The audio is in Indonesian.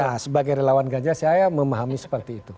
nah sebagai relawan ganjar saya memahami seperti itu